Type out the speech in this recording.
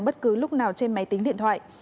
bất cứ lúc nào trên máy tính điện thoại